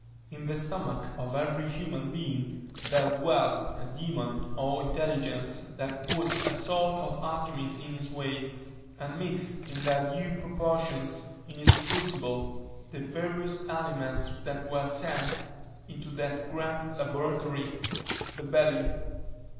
In the stomach of every human being there dwelt a demon, or intelligence, that was a sort of alchymist in his way, and mixed, in their due proportions, in his crucible, the various aliments that were sent into that grand laboratory, the belly.